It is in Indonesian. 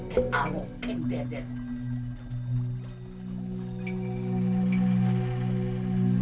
kain arok kain dedes